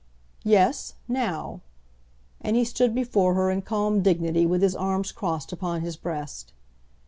"Yes, now." And he stood before her in calm dignity, with his arms crossed upon his breast.